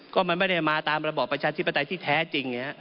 ก็มันไม่ได้มาตามระบอบประชาธิปไตยที่แท้จริง